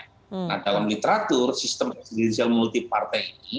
nah dalam literatur sistem presidensial multi partai ini